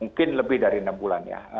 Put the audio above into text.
mungkin lebih dari enam bulan ya